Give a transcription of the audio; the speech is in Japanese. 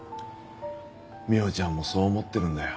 未央ちゃんもそう思ってるんだよ。